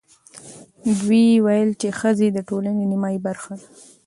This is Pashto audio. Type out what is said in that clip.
دوی ویل چې ښځې د ټولنې نیمايي برخه ده.